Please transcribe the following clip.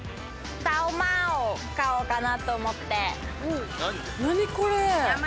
サウマウを買おうかなと思って。